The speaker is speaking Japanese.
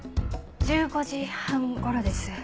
１５時半頃です。